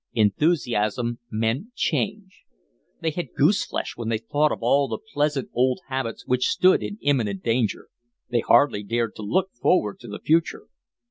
Enthusiasm meant change. They had goose flesh when they thought of all the pleasant old habits which stood in imminent danger. They hardly dared to look forward to the future.